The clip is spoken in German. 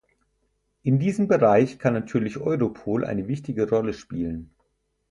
In diesem Bereich kann natürlich Europol eine wichtige Rolle spielen.